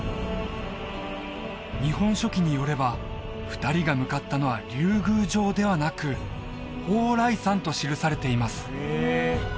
「日本書紀」によれば２人が向かったのは竜宮城ではなく蓬莱山と記されています